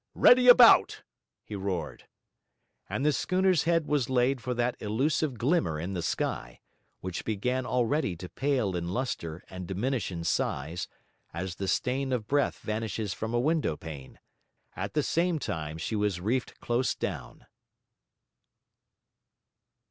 Ready about!' he roared. And the schooner's head was laid for that elusive glimmer in the sky, which began already to pale in lustre and diminish in size, as the stain of breath vanishes from a window pane. At the same time she was reefed close down.